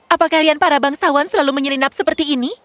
apa kalian para bangsawan selalu menyelinap seperti ini